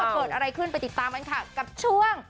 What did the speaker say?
เกิดอะไรขึ้นไปติดตามกันค่ะกับช่วง